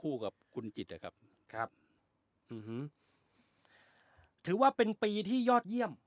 กับคุณจิตอะครับครับถือว่าเป็นปีที่ยอดเยี่ยม